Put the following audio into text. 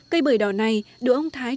cây bởi đỏ này là một loại cây trồng rất đẹp